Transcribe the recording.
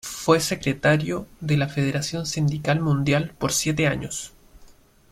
Fue secretario de la Federación Sindical Mundial por siete años.